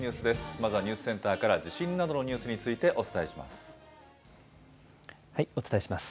まずはニュースセンターから、地震などのニュースについてお伝えします。